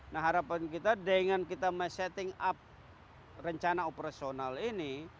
nah harapan kita dengan kita mesetting up rencana operasional ini